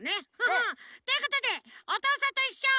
ハハッ！ということで「おとうさんといっしょ」。